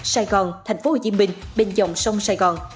sài gòn tp hcm bên dòng sông sài gòn